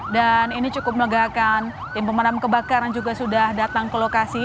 dan ini cukup menegakkan tim pemadam kebakaran juga sudah datang ke lokasi